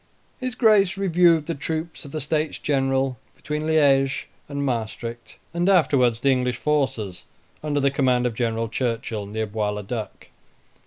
His Grace reviewed the troops of the States General between Liege and Maestricht, and afterwards the English forces, under the command of General Churchill, near Bois le Duc.